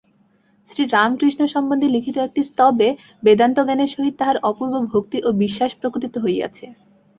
শ্রীরামকৃষ্ণ সম্বন্ধে লিখিত একটি স্তবে বেদান্তজ্ঞানের সহিত তাঁহার অপূর্ব ভক্তি ও বিশ্বাস প্রকটিত হইয়াছে।